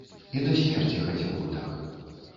І да смерці хацеў бы так.